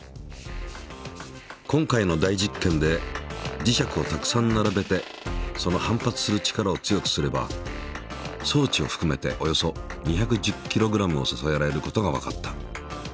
今回の大実験で磁石をたくさん並べてその反発する力を強くすれば装置をふくめておよそ２１０ｋｇを支えられることがわかった。